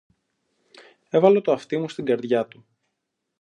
Έβαλα το αυτί μου στην καρδιά του